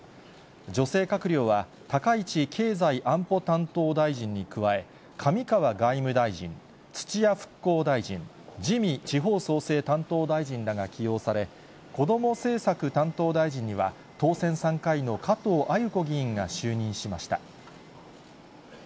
女性閣僚は、高市経済安保担当大臣に加え、上川外務大臣、土屋復興大臣、自見地方創生担当大臣らが起用され、こども政策担当大臣には、当選３回の加藤鮎子議員が就任しました。